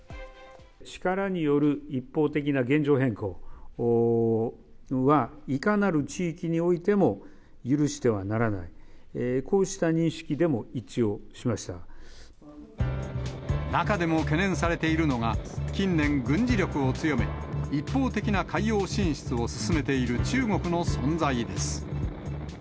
力による一方的な現状変更は、いかなる地域においても許してはならない、こうした認識でも一致中でも懸念されているのが、近年、軍事力を強め、一方的な海洋進出を進めている中国の存在です。